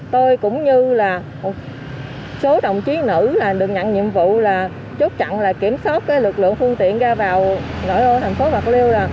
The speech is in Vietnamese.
tôi cũng như số đồng chí nữ được nhận nhiệm vụ chốt chặn kiểm soát lực lượng phương tiện ra vào tp bạc liêu